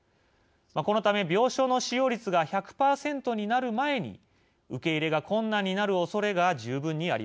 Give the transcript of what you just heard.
このため病床の使用率が１００％になる前に受け入れが困難になるおそれが十分にあります。